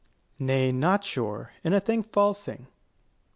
_ Nay, not sure, in a thing falsing.